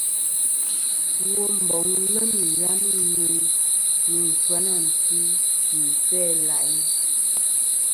Womboŋ lem ighami ŋweyn Fyanantwi, nɨ Isæ-ila'i.